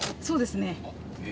そうですね。